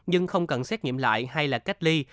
nhưng không cần xét nghiệm lại hay là cách ly